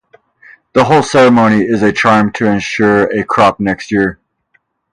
The whole ceremony is a charm to ensure a crop next year.